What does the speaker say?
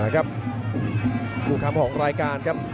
ครับคุณคำของรายการครับ